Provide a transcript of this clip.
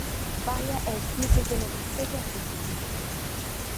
Vaia e explíquellelo vostede aos veciños.